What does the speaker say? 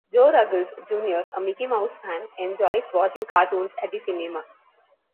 Jo Ruggles Junior a Mickey Mouse fan, enjoys watching cartoons at the cinema.